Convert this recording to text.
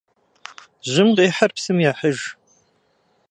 Жьым къихьыр псым ехьыж.